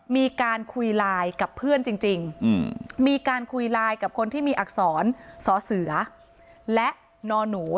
มีการคุยไลน์กับเพื่อนจริงมีการคุยไลน์กับคนที่มีอักษรสอเสือและนอหนู